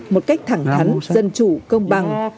một cách thẳng thắn dân chủ công bằng